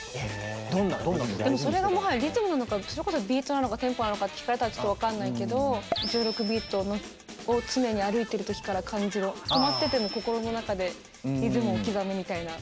どんなのどんなの？でもそれがもはやリズムなのかそれこそビートなのかテンポなのかって聞かれたらちょっと分かんないけど「１６ビートを常に歩いてるときから感じろ止まってても心の中でリズムを刻め」みたいな。